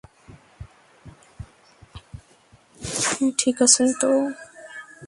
হ্যাঁ, ঠিক আছেন তো?